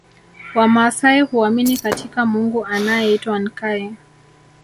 Wamaasai huamini katika Mungu anaeitwa Nkai